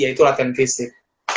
yaitu latihan fisik